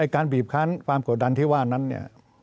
การบีบคันความกดดันที่ว่านั้นเนี่ย